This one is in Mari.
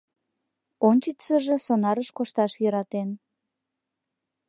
Ончычсыжо сонарыш кошташ йӧратен.